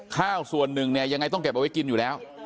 ข้าวส่วนหนึ่งเนี่ยยังไงต้องเก็บเอาไว้กินอยู่แล้ว